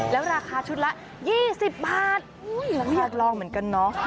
แล้วราคาชุดละ๒๐บาทเราก็อยากลองเหมือนกันเนาะ